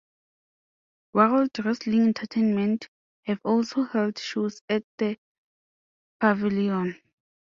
World Wrestling Entertainment have also held shows at The Pavilion.